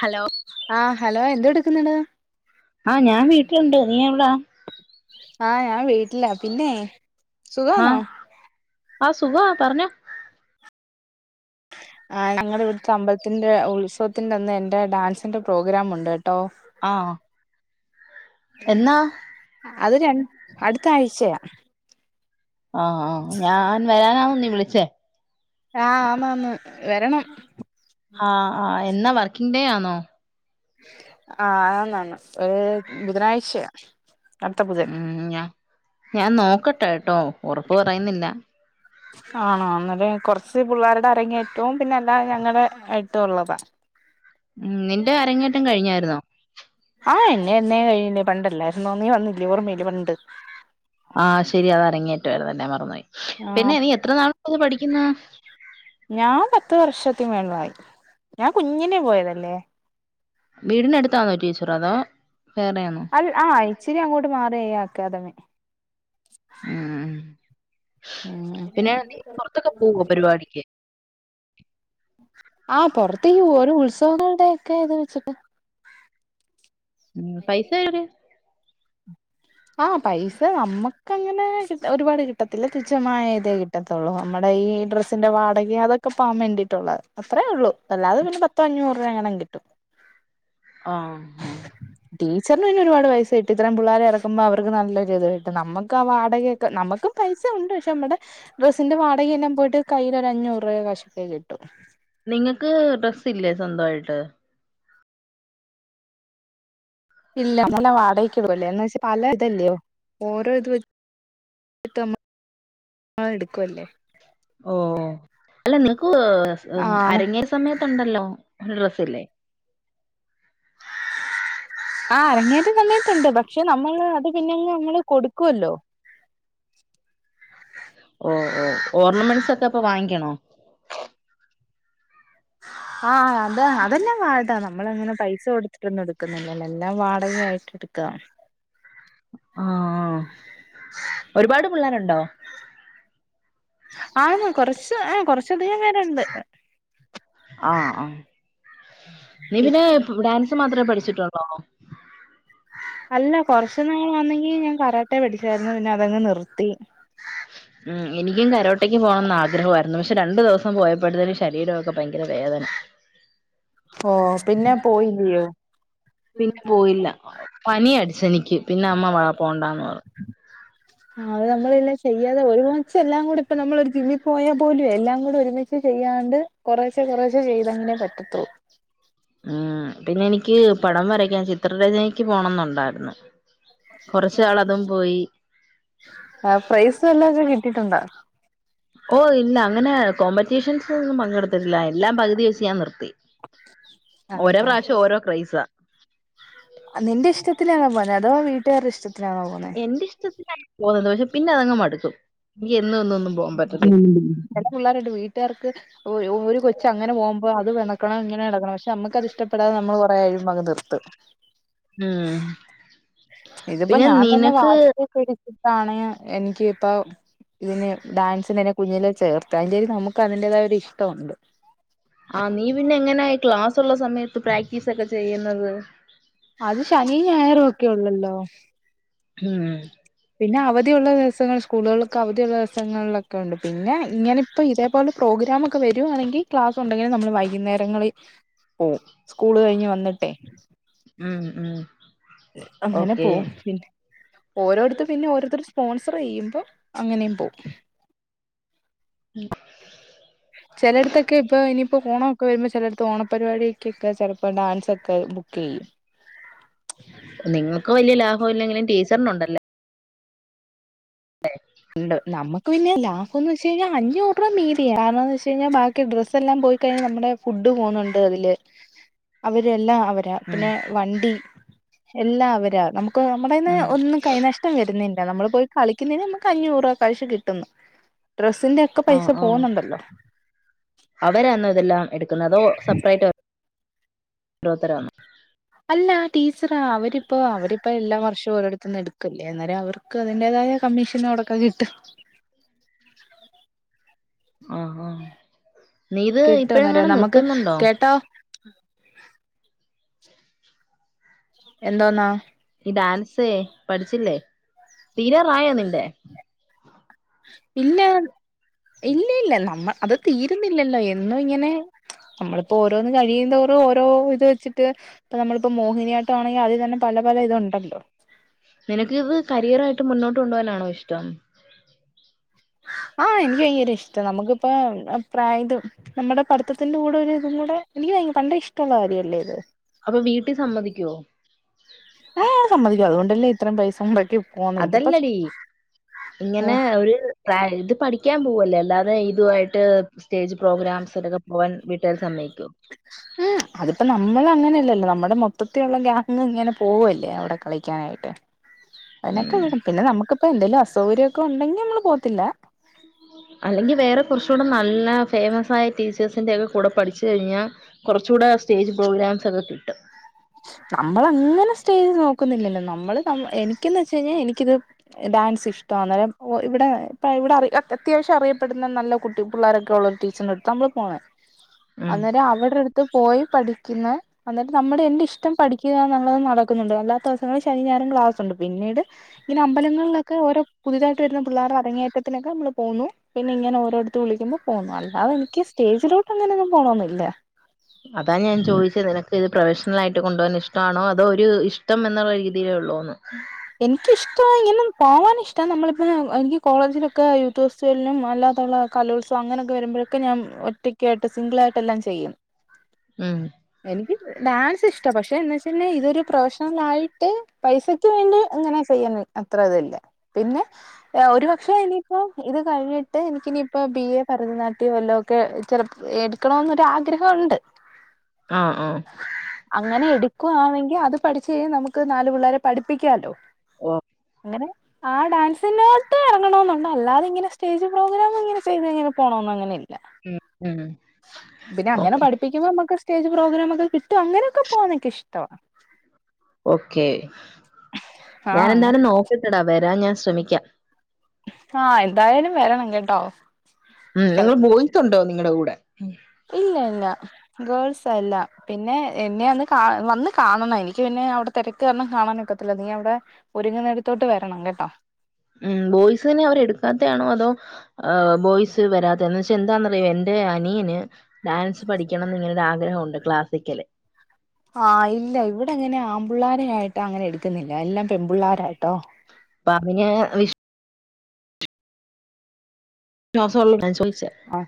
Hello ആഹ് hello എന്തടുക്കുന്നുണ്ടതാ ആഹ് ഞാൻ വീട്ടിലുണ്ട് നീ എവിടാ ആഹ ഞാൻ വീട്ടില പിന്നെ സുഖാണോ ആഹ ആ സുഖ പറഞ്ഞോ ആ ഞങ്ങുടെ ഇവിടുത്തെ അമ്പലത്തിന്റെ ഉത്സവത്തിന്റെന്ന് എന്റെ ഡാൻസിന്റെ പ്രോഗ്രാം ഉണ്ടെട്ടോ ആഹ എന്നാ അത് രണ്ട അടുത്ത ആഴ്ചയ ആഹ ആ ഞാൻ വരാനാ നീ വിളിച്ചേ ആഹ് ആന്ന് അന്ന് ആഹ ആ എന്നാ വർക്കിംഗ് ഡേ ആണോ ആ അന്നാന്ന് ഓ ബുധനാഴ്ചയ അടുത്ത ബുധൻ ഉം ഞാ ഞാൻ നോക്കട്ടെട്ടോ ഉറപ്പ് പറയുന്നില്ല. [inaudible] ആണോ എന്നാല് കുറച്ച് പിള്ളേരുടെ അരങ്ങേറ്റവും പിന്നെ അല്ല ഞങ്ങളടെ ആയിട്ടോള്ളതാ ഉ നിന്റെ അരങ്ങേറ്റം കഴിഞ്ഞായിരുന്നോ ആഹ് എന്നെ എന്നെ കഴിഞ്ഞു പണ്ടല്ലേയിരുന്നോ നീ വന്നില്ലേ ഓർമയില്ലേ പണ്ട് ആഹ ശരി അത് അരങ്ങേറ്റയിരുന്നുലെ മറന്നപോയി ആഹ് പിന്നെ നി എത്ര നാളായി പഠിക്കുന്നു ഞാൻ പത്ത് വർഷത്തിന് മേളിലായി ഞാൻ കുഞ്ഞിലേ പോയതല്ലേ വീടിനടുത്താന്നോ ടീച്ചർ അതോ വേറെയാന്നോ അൽ ആ ഇച്ചിരി അങ്ങോട്ട് മാറിയ അക്കാദമി ഉ ഉം പിന്നെ പുറത്തൊക്കെ പോവോ പരിപാടിക്ക് ആ പുറത്ത് പോവും ഓരോ ഉത്സവങ്ങളുടെ ഒക്കെ ഇത് വെച്ചിട്ട് [unintelligible] ആഹ പൈസ നമുക്ക് അങ്ങനെ ഒരുപാട് കിട്ടത്തില്ല തുച്ഛമായ ഇതേ കിട്ട ട്ടത്തുള്ളൂ നമ്മുടെ ഈ ഡ്രസ്സിന്റെ വാടകയ അതൊക്കെ പോവൻ വേണ്ടിട്ടുള്ളത് അത്രേ ഉള്ളൂ അല്ലാതെ പിന്നെ പത്തോ അഞ്ഞൂറ് രൂപ അങ്ങനെമ കിട്ടും ആ ആ ടീച്ചറിന് പിന്നെ ഒരുപാട് പൈസകിട്ടും ഇത്രയും പിള്ളേരെ ഇറക്കുമ്പോ അവർക്ക് നല്ലൊരു ഇതായിട്ട് നമ്മക്ക് ആ വാടകയൊക്കെ നമുക്കും പൈസ ഉണ്ട് പക്ഷേ നമ്മുടെ ഡ്രസ്സിന്റെ വാടകെല്ലാം പോയിട്ട് കയ്യിലൊരഞ്ഞൂറ് രൂപ കഷ്ട്ടി കിട്ടും നിങ്ങക്ക് ഡ്രസ്സ് ഇല്ലേ സ്വന്തമായിട്ട് [unintelligible] [unintelligible] ഓ അല്ല നിക്ക് ആണ് അരങ്ങിയ സമയത്ത ഉണ്ടല്ലോ ഒരു ഡ്രസ്സല്ലേ ആ അറങ്ങേറ്റ സമയത്തുണ്ട് പക്ഷേ നമ്മൾ അത് പിന്നെങ്ങ് നമ്മള് കൊടുക്കുവല്ലോ ഓ ഓ ഓർണമെൻസോക്കെ അപ്പൊ വാങ്ങിക്കണോ ആഹ അത അതെന്നാ വാഴ നമ്മള അങ്ങനെ പൈസ കൊടുത്തിട്ടൊന്നും എടുക്കുന്നില്ലല്ലോ എല്ലാം വാടകായിട്ട് എടുക്ക ആ ആ ഒരുപാട് പിള്ളേരുണ്ടോ ആന്ന് കൊറച്ച് ആ കൊറച്ച അധികം പേരുണ്ട് ആഹ ആ നീ പിന്നെ ഡാൻസ് മാത്രമേ പഠിച്ചിട്ടുള്ളോ അല്ല കൊറച്ചുനാൾ വന്നെങ്കി ഞാൻ കരാട്ടേ പടിച്ചായിരുന്നു പിന്നെ അതങ്ങ് നിർത്തി ഉ എനിക്കും കരോട്ട ട്ടക്ക്‌ പോണന്ന ആഗ്രഹമായിരുന്നു പക്ഷെ രണ്ടു ദിവസം പോയപ്പോഴത്തേന് ശരീരൊക്കെ ഭയങ്കര വേദന ഓ പിന്നെ പൊയില്ലിയോ പിന്നെ പോയില്ല പനി അടിച്ചനിക്ക് പിന്നെ അമ്മ വ പോണ്ടാന്ന് പറഞ്ഞു ആ അത് [unintelligible] ചെയ്യാതെ ഒരുമിച്ച് എല്ലാം കൂടി ഇപ്പ നമ്മള ഒരു ജിമ്മിൽ പോയാൽ പോലും എല്ലാം കൂടെ ഒരുമിച്ച് ചെയ്യാണ്ട് കൊറേശെ കൊറേശെ ചെയ്തങ്കിലെ പറ്റത്തുള്ളൂ ഉം പിന്നെ എനിക്ക് പടം വരക്കാൻ ചിത്രരചനയ്ക്ക് പോണംന്നുണ്ടായിരുന്നു കൊറച്ച്നാള് അതും പോയി ആ പ്രൈസ് വല്ലോക്കെ കിട്ടിട്ടുണ്ടാ? ഓ ഇല്ല അങ്ങനെ കോമ്പറ്റീഷൻസ്‌ലൊന്നും പങ്കെടുത്തിട്ടില്ല എല്ലാം പകുതി വെച്ച് ഞാൻ നിർത്തി. ഓരോ അതാ പ്രാവ്ശ്യം ഓരോ ക്രൈസാ. ഹ് നിന്റെ ഇഷ്ട്ടത്തിനാണോ പോന്നേ അതോ വീട്ടുകാര്ടെ ഇഷ്ട്ടത്തിനാണോ പോന്നേ? എന്റിഷ്ടത്തിനാണ് പോന്നത് പക്ഷെ പിന്നെ അതങ്ങ് മടുക്കും എനിക്ക് എന്നും എന്നും ഒന്നും പോകാൻ ഹ്മ് പറ്റത്തില്ല ചെല പിള്ളാര്ണ്ട് വീട്ടാർക്ക്. ഓയ് ഒരു കൊച്ച് അങ്ങനെ പോകുമ്പോ അത് വെണക്കണം ഇങ്ങനെ എട്ക്കണം പക്ഷെ നമ്മുക്ക് അത്ഷ്ടപ്പെടാതെ നമ്മൾ കൊറെ കയ്യുമ്പങ്ങ് നിർത്തും. ഉം. ഇതിപ്പോ പിന്നെ ഞാൻ തന്നെ നിനക്ക് വാശി പിടിച്ചിട്ടാണ് എനിക്ക് ഇപ്പ. ഇതിന് ഡാൻസിന് എന്നെ കുഞ്ഞിലെ ചേർത്ത് അതിന്റെര് നമുക്ക് അതിന്റേതായ ഒരു ഇഷ്ട്ടമുണ്ട്. ആഹ് നീ പിന്നെ എങ്ങനെ ഈ ക്ലാസ്ള്ള സമയത്ത് പ്രാക്ടീസ് ഒക്കെ ചെയ്യുന്നത്? അത് ശനി ഞായർ ഒക്കെ ഒള്ളല്ലോ. ഉം. പിന്നെ അവധിയുള്ള ദിവസങ്ങൾ സ്കൂളുകൾക്ക് അവധിയുള്ളസങ്ങളിലൊക്കെ ഉണ്ട് പിന്നെ ഇങ്ങനെ. ഇപ്പൊ ഇതേപോലെ പ്രോഗ്രാം ഒക്കെ വരുവാണെങ്കിൽ ക്ലാസ് ഉണ്ടെങ്കിലും നമ്മൾ വൈകുന്നേരങ്ങളിൽ പോവും. സ്കൂള് കഴിഞ്ഞ് വന്നിട്ടെ. ഹ്മ് ഹ്മ്. ഏഹ് അങ്ങനെ പോവും പിന്നെ. ഓരോട്ത്ത് പിന്നെ ഓരോര്ത്തര് സ്പോൺസർ ചെയ്യുമ്പോ അങ്ങനെയും പോവും. ചെലയിടത്തൊക്കെ ഇപ്പൊ ഇനിയിപ്പോ ഓണോ. ക്കെ വരുമ്പോ ചെലയെട്ത്ത് ഓണപരിപാടിക്കൊക്കെ ചെലപ്പോ ഡാൻസ് ഒക്കെ ബുക്കെയ്യും. നിങ്ങക്കു വല്യ ലാഭം ഇല്ലെങ്കിലും ടീച്ചറിനുണ്ട്. ഇണ്ട് നമുക്ക് പിന്നെ ലാഭംന്നെച്ചാ. ച്ച് കഴിഞ്ഞ അഞ്ഞൂർരൂപ മീതിയ കാര്ണന്തെച്ചഴിഞ്ഞാ ബാക്കി ഡ്രസെല്ലാം പോയിക്കഴിഞ്ഞാ നമ്മുടെ. ഫുഡ് പോവുന്നുണ്ട് അതില് അവരെല്ലാ അവരാ ഉം പിന്നെ വണ്ടി. എല്ലാ അവരാ നമുക്ക് നമ്മടെന്ന് ഉം ഒന്നും കൈനഷ്ട്ടം വരുന്നില്ല നമ്മള് പോയി കളിക്കുന്നന് നമക്ക്. ക്കഅഞ്ഞൂറ് രൂപ കൈശ് കിട്ടുന്നു ഡ്രസ്സിന്റെ ഒക്കെ പൈസ പോന്നുണ്ടല്ലോ. അവരാണോ ഇതെല്ലാം എടുക്കുന്നത് അതോ സെപ്പറേറ്റോ ഓരോത്തരോ? അല്ല ടീച്ചറാ അവരിപ്പോ അവരിപ്പോ എല്ലാ വർഷവും ഓരോട്ത്ത്ന്ന് എടുക്കല്ലേ അന്നേരം അവർ. ക്കഅതിന്റേതായ കമ്മീഷൻ അവ്ടൊക്കെ കിട്ടും. ആഹ് ആഹ് നീഇത് കിട്ടും അന്നേരം ഇപ്പോഴെങ്ങാനും നമുക്ക് നിർത്തുന്നുണ്ടോ? കേട്ടോ എന്തോന്നാ ഈ ഡാൻസേ പഠിച്ചില്ലേ തീരാറായോ നിന്റെ? ഇല്ല ഇല്ലഇല്ല നമ്മ അത് തീരുന്നില്ലല്ലോ എന്നും ഇങ്ങനെ. നമ്മളിപ്പോ ഓരോന്ന് കഴിയുന്തോറും ഓരോ ഇത് വെച്ചിട്ട്. ഇപ്പ നമ്മളിപ്പോ മോഹിനിയാട്ടാണെങ്കി അതി തന്നെ പല പല ഇതുണ്ടല്ലോ. നിനക്കിത് കരിയറായിട്ട് മുന്നോട്ട് കൊണ്ടപോവാനാണോ ഇഷ്ട്ടം. ആഹ് ഇൻക്ക് ഭയങ്കര ഇഷ്ട്ടാ നമുക്കിപ്പൊ ഹ് പ്രായ്ത്. നമ്മുടെ പഠിത്തത്തിന്റെ കൂടെ ഒര്തും കൂടെ എനിക്ക് ഭയങ്ക പണ്ടെ ഇഷ്ട്ടുള്ള കാര്യല്ലേ ഇത്. അപ്പൊ വീട്ടി സമ്മതിക്കോ? ആഹ് സമ്മതിക്കും അതുകൊണ്ടല്ലേ ഇത്രയും പൈസ മൊടക്കി പോന്നെ ഇതിപ്പൊ. അതല്ലടി ഇങ്ങനെ ഒരു [unintelligible] ഇത് പഠിക്കാൻ പോവല്ലേ അല്ലാതെ ഇതു ആയിട്ട്. സ്റ്റേജ് പ്രോഗ്രാംസ് ലൊക്കെ പോവാൻ വീട്ടാര് സമ്മൈക്കോ? ഏഹ് അതിപ്പോ നമ്മൾ അങ്ങനെയല്ലല്ലോ നമ്മുടെ മൊത്തത്തിലുള്ള ഗാങ്ങ് ഇങ്ങനെ പോവല്ലേ അവിടെ കളി. ക്കാളിക്കാനായിട്ട്. അയ്നൊക്കെ വിടും പിന്നെ നമുക്കിപ്പോ എന്തേലും അസൗകര്യക്കെ ഉണ്ടെങ്കി നമ്മള് പോവത്തില്ല. അല്ലെങ്കി വേറെ കൊർച്ചൂടെ നല്ല ഫേമസ് ആയ ടീച്ചേഴ്സിന്റെ ഒക്കെ കൂടെ പഠിച്ചു കൈഞ്ഞാ. കൊർച്ചൂടെ സ്റ്റേജ് പ്രോഗ്രാംസ് ഒക്കെ കിട്ടും. നമ്മൾ അങ്ങനെ സ്റ്റേജ് നോക്കുന്നില്ലല്ലോ നമ്മള് നം എനിക്ക്ന്ന് വെച്ച് കഴിഞ്ഞാ എനിക്കിത്. ഏ ഡാൻസ് ഇഷ്ട്ടാണ് ഓ ഇവിടെ പ്പഇവ്ടെ അറി അത്യാവ്ശ്യം അറിയപ്പെടുന്ന നല്ല കുട്ടി പിള്ളേരൊക്കെ ഉള്ള ടീ ച്ചെർന്റെട്ത്താമ്മൾ പോണെ. ഉം അന്നേരഅവവിടെ അടുത്ത് പോയി പഠിക്കുന്ന അന്നേരം നമ്മുടെ എന്റെ ഇഷ്ടം പഠിക്കുക എന്നുള്ളത് നടക്കുന്നുണ്ട് അല്ലാത്ത ദിവസങ്ങളിൽ ശനി ഞായായരം ക്ലാസ്സ് ഉണ്ട് പിന്നീട് ഇങ്ങനെ അമ്പലങ്ങളിലൊക്കെ ഓരോ പുതിയതായിട്ട് വരുന്ന പിള്ളേർ അടങ്ങിയറ്റ ത്തിക്കെ നമ്മൾ പോകുന്നു പിന്നെ ഇങ്ങനെ ഓരോടുത്തത്ത് വിളിക്ക്പോൾ പോന്നുന്നു അല്ലാതെ എനിക്ക് സ്റ്റേജിലോട്ട്ങ്ങനെയ ഒന്നും പോകണന്നില്ലേ അതാ ഞാൻ ചോിച്ചത് നിനക്ക് ഇത് പ്രൊഫഷണ ആയിട്ട കൊണ്ടു പോകാ ഇഷ്ടം ആണോ അതോ ഒരു ഇഷ്ടം എന്നുള്ള രീതിയിലേ ഉള്ളൂന്ന് എനിക്കിഷ്ട ഇങ്ങനെ പോകാനൻ ഇഷ്ടമാണ് നമ്മളിപ്പൾ എനിക്ക് കോളേജിലൊക്കെ യൂത്ത് ഫെസ്റ്റിവലിനും അല്ലാത്തുള്ള കലോത്സവം അങ്ങനെയൊക്കെ വരുമ്പോഴൊക്കെ ഞാൻ ഒറ്റക്കായിട്ട് സിംഗിള ആായിട്ട്െല്ലാം ചെയ്യും ഉം എനിക്ക് ഡാൻസ് ഇഷ്ട ഇ പക്ഷെ എ ന്നെവെച്ചൽ ഇതൊരു പ്രൊഫഷണൽ ആയിട്ട് പൈസക്ക് വേണ്ടി ഇങ്ങനെ ചെയ്യാൻ അത്ര ഇതല്ല പിന്നെ ഒരുപക്ഷെ അപ്പ ഇത് കഴിഞ്ഞിട്ട് എനിക്ക ഇിനയിപ്പോ ബി എ ഭരതനാട്യം എല്ലോ ഒക്കെ ചെ നിൽക്കണമ എന്നൊരു ആഗ്രഹമ ഉണ്ട് ആഹ് ആഹ് അങ്ങനെ എടുക്കുവാണെങ്കിൽ അത് പഠിച്ചച്ച് കഴിഞ്ഞാൽ നമുക്ക് നാല് പിള്ളേരെ പഠിപ്പിക്കാല്ലോ ഓ അങ്ങനെ ആഹ് ഡാൻസിനോട്ട് ല്ലാെങ്ങനെ സ്റ്റേജ പ്രോഗ്രാംങ്ങനെ ചെയങ്ങനെ പോണന്നും അങ്ങനെ ഇല്ല ഉം ഉം പിന്നെ അങ്ങനെ പഠപ്പ പപ്പിക്കുമ്പോമക്ക് സ്റ്റേജ് പ്രോഗ്രാംക്കെ കിട്ടും അങ്ങനൊക്കെ പോകാനൊക്ക ഇഷ്ടമാണ് ഓക്കെ ഞാൻ ആഹ് എന്താണ് നോക്കത്തെടാ വരാൻ ഞാൻ ശ്രമിക്കാം ആഹ് എന്തായാലും വരണം കേട്ടോ ഉം ചെല നിങ്ങൾ ബോയ്‌സുണ്ടോ നിങ്ങളുടെ കൂടെ ഇല്ല ഇല്ല ഗേൾസ് എല്ല പിന്നെ എന്നെ അന്ന് കാ വന്ന് കാണണം എനിക്ക് പിന്നെ അവിടെ തിരക്ക് കാരണം കാണാൻക്കത്തില്ല നീ അവിടെ ഒരുങ്ങുന്നടത്തോട്ട് വരണം കേട്ടോ ഉം ബോയ്സിനെ അവരെ എടുക്കാത്താണോ അതോ ബോയ്സ് വരാത്ത അ വെച്ചൽ എന്താണറിയ എന്റെ അനിയന് ഡാൻസ് പഠിക്കണം എന്ന് ഇങ്ങനെ ഒരു ആഗ്രഹമുണ്ട് ക്ലാസിക്കല് ആഹ് ഇല്ല ഇവിടെ അങ്ങനെ ആമ്പിള്ളോരായിട്ട് അങ്ങനെ എടുക്കുന്നില്ല എല്ലാം പെൺപിള്ളോരായിട്ടോ അപ്പ അന [unintelligible] ആഹ്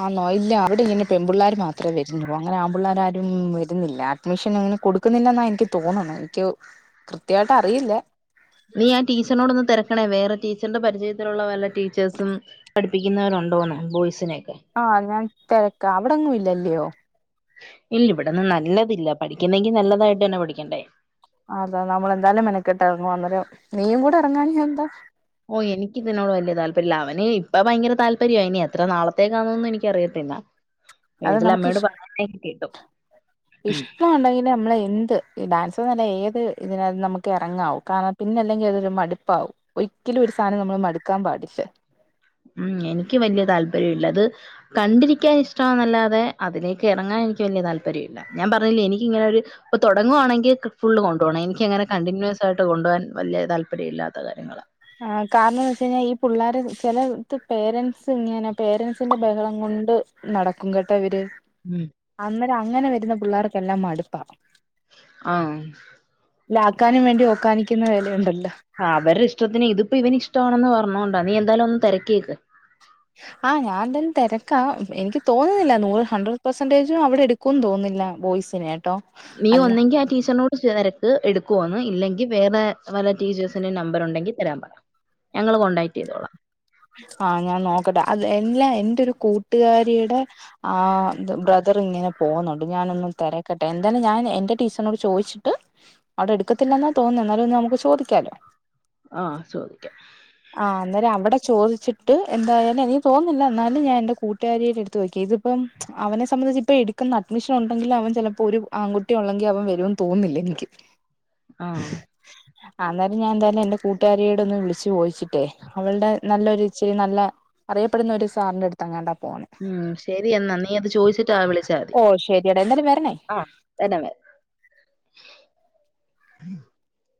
ആനോ ഇല്ല അവിടെ ഇങ്ങനെ പെമ്പിള്ളേർ മാത്രം ഇത്ര വരുന്നുള്ള അങ്ങനെ ആ്പ പിള്ളോരാരും വരുന്നില്ല അഡ്മിഷൻ ഇങ്ങനെ കൊടുക്കുന്നില്ലെന്ന എനിക്ക് തോന്നണം എനിക്ക് കൃത്യമായിട്ട് അറിയില്ലേ നീ ആ ടീച്ചറിനോടൊന്ന് തിരക്കണേ വേറെ ടീച്ചറിന്റെ പരിയത്തിലുള്ള വല്ല ടീച്ചേഴ്സും പഠിപ്പിക്കുന്നവരുണ്ടോന്ന് ബോയ്സിനെൊക്കെ ആഹ് ഞാൻ തിരക്ക അവിടെങ്ങും ഇല്ലല്യോ ഇല്ല ഇവിടെന്നും നല്ലതില്ല പഠിക്കുന്നെങ്കി നല്ലതായിട്ട് തന്നെ പഠിക്കണ്ടേ അതെ നമ്മളെന്തായാലും മെനക്കെട്ട് എറങ്ങുവ അന്നെരം നീയുംകുടെ എറങ്ങാഞ്ഞതെന്താ ഓഹ് എനിക്ക് ഇതിനോട് വല്യ താല്പര്യില്ല അവന് ഇപ്പ ഭയങ്കര താല്പര്യവ ഇനി എത്ര നാളത്തേക്കാന്നൊന്നും എനിക്കറിയത്തില്ല അത് വീട്ടിലമ്മയോട് പറയുന്നെക്കെ കേട്ടു ഇഷ്ട്ടൊണ്ടെങ്കിലെ നമ്മള് എന്ത് ഈ ഡാൻസ്ന്നല്ല ഏത് ഇതിനാത്തും നമുക്ക് ഇറങ്ങാവു കാരണം പിന്നെല്ലെങ്കി അതൊരു മടുപ്പാവും ഒരിക്കലും ഒരു സാധനം നമ്മള് മടുക്കാൻ പാടില്ല ഉം എനിക്ക് വലിയ താല്പര്യില്ല അത് കണ്ടിരിക്കാൻ ഇഷ്ടമാന്നല്ലാതെ അതിലേക്കെറങ്ങാൻ എനിക്ക് വല്ല്യ താല്പര്യവില്ല ഞാൻ പറഞ്ഞില്ലേ എനിക്കിങ്ങനൊരു ഇപ്പ തൊടങ്ങുവാണെങ്കി കി ഫുള്ള് കൊണ്ടോണം എനിക്കങ്ങനെ കണ്ടിന്യൂസ് ആയിട്ട് കൊണ്ടുപോവാൻ വല്ല്യ താല്പര്യില്ലാത്ത കാര്യങ്ങളാ ആഹ് കാരണം എന്ന് വെച്ച് കഴിഞ്ഞാ ഈ പുള്ളാര് ചെലയിത്ത് പേരെന്റ്സ് ഇങ്ങനെ പേരൻസിന്റെ ബഹളം കൊണ്ട് നടക്കും കേട്ടൊ ഇവര് ഉം അന്നരം അങ്ങനെ വരുന്ന പിള്ളേർക്കെല്ലാം മടുപ്പാ ആഹ് ലാർക്കാനും വേണ്ടി ഓക്കാനിക്കുന്ന വേലയുണ്ടല്ലോ ആഹ് അവരുടെ ഇഷ്ടത്തിന് ഇതിപ്പോ ഇവന് ഇഷ്ടമാണെന്ന് പറഞ്ഞോണ്ട നീയെന്താലും ഒന്ന് തിരക്കിയേക്ക് ആഹ് ഞാൻ എന്തായാലും തെരക്കാ എനിക്ക് തോന്നുന്നില്ല നൂറ് ഹൺഡ്രഡ് പെർസന്റേജും അവിടെ എടു ക്കൂന്ന് തോന്നുന്നില്ല ബോയ്സിനെ നീ അല്ല ഒന്നെങ്കി ആ ടീച്ചറിനോട് തെരക്ക് എടുക്കുവോന്ന് ഇല്ലെങ്കി വേറെ വല്ല ടീച്ചേഴ്സിന്റെ നമ്പർ ഒണ്ടെങ്കി തരാൻ പറ ഞങ്ങള് നമ്മള് വേണ്ടേ കോണ്ടാക്ട് ചെയ്തോളാം ആഹ് ഞാൻ നോക്കട്ടെ അത് എല്ലാ എന്റൊരു കൂട്ടുകാരീടെ ആഹ് ബ്ര ദറിങ്ങന പോകുന്നുണ്ട് ഞാനൊന്ന് തെരക്കട്ടെ എന്താലും ഞാൻ എന്റെ ടീച്ചറിനോട് ചോദിച്ചിട്ട് അവിടെടുക്കത്തില്ലെന്നാ തോന്നുന്നെ എന്നാലും ഒന്ന് നമുക്ക് നമുക്ക് ചോദിക്കാല്ലോ ആഹ് ചോദിക്കാം ആഹ് അന്നെരം അവിടെ ചോദിച്ചിട്ട് എന്തായാലും എനിക്ക് തോന്നുന്നില്ല എന്നാലും ഞാൻ എന്റെ കൂട്ടുകാരീടെ എടുത്ത് ചോയ്ക്കാം ഇതിപ്പം അവനെ സംബന്ധിച്ച് ഇപ്പ എടുക്കുന്ന അഡ്മിഷൻ ഒണ്ടെങ്കില് അവൻ ചെല പ്പൊരു ആൺകുട്ടിയെ ഒള്ളെങ്കി അവൻ വരുമെന്ന് തോന്നുന്നില്ല എനിക്ക് ആഹ് ആഹ് അന്നേരം ഞാൻ എന്തായാലും എന്റെ കൂട്ടുകാരിയോട് ഒന്ന് വിളിച്ച് ചോയിച്ചിട്ടേ അവൾടെ നല്ലൊരു ഇച്ചിരി നല്ല അറിയപ്പെടുന്ന ഒരു സാറിന്റെ അടുത്ത് എങ്ങാണ്ടാ പോവുന്നെ ഉം ശെരി എന്നാ നീ അത് ചോദിച്ചിട്ട് നാളെ വിളിച്ചാതി ഓ ഓഹ് ശരി ശരിയെടാ എന്തായാലും വരണേ ആഹ് [unintelligible]